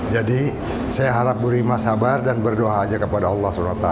jadi saya harap burima sabar dan berdoa aja kepada allah swt